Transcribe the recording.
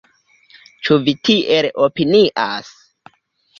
Ĉu vi tiel opinias?